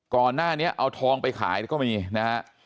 ก่อนหน้านี้เอาทองไปขายก็มีนะฮะ